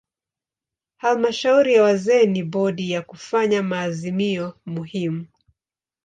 Halmashauri ya wazee ni bodi ya kufanya maazimio muhimu.